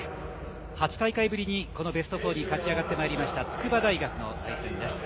８大会ぶりにベスト８に勝ち上がってまいりました筑波大学の対戦です。